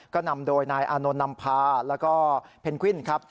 ก็นำโดยนายอานนท์นำพาแล้วก็เพนกวินครับ